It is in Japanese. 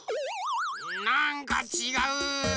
なんかちがう。